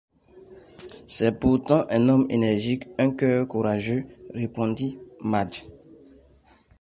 C’est pourtant un homme énergique, un cœur courageux, répondit Madge.